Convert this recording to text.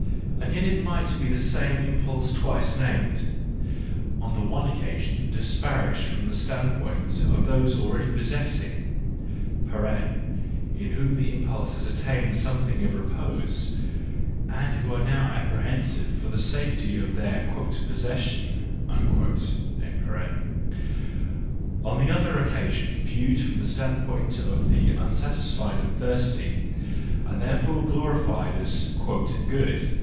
—and yet it might be the same im¬ pulse twice named: on the one occasion disparaged from the standpoint of those already possessing (in whom the impulse has attained something of repose, and who are now apprehensive for the safety of their " possession "); on the other occa¬ sion viewed from the standpoint of the unsatisfied and thirsty, and therefore glorified as " good."